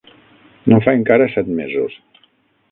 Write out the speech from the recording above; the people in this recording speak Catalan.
No fa encara set mesos